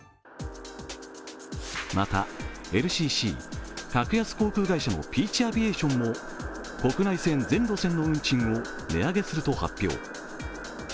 また、ＬＣＣ＝格安航空会社のピーチ・アビエーションも国内線全路線の運賃を値上げすると発表。